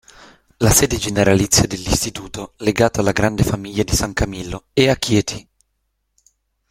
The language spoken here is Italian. La sede generalizia dell'istituto, legato alla Grande Famiglia di San Camillo, è a Chieti.